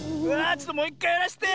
ちょっともういっかいやらせて。